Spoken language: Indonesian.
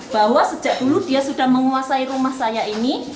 bahwa sejak dulu dia sudah menguasai rumah saya ini